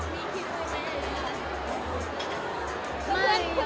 มีคิดให้แม่หรือยัง